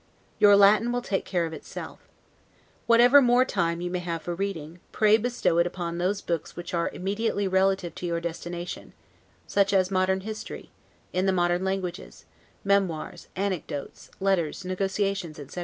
Your Latin will take care of itself. Whatever more time you may have for reading, pray bestow it upon those books which are immediately relative to your destination; such as modern history, in the modern languages, memoirs, anecdotes, letters, negotiations, etc.